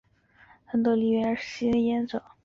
亨特原是吸烟者。